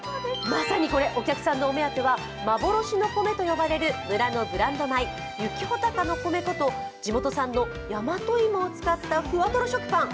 まさにこれ、お客さんのお目当ては幻の米と呼ばれる村のブランド米雪ほたかの米粉と地元産の大和芋を使ったふわとろ食パン。